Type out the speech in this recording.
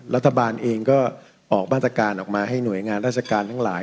รัฐบาลเองก็ออกมาตรการออกมาให้หน่วยงานราชการทั้งหลาย